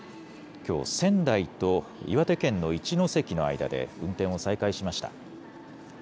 きょう、仙台と岩手県の一ノ関の間で運転を再開しました。